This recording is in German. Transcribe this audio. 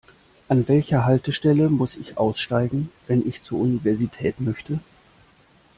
An welcher Haltestelle muss ich aussteigen, wenn ich zur Universität möchte?